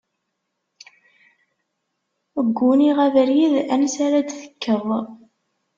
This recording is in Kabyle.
Gguniɣ abrid ansi ara d-tekkeḍ.